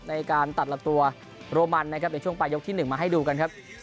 ในการตัดลำตัวโรมันนะครับในช่วงปลายยกที่๑มาให้ดูกันครับ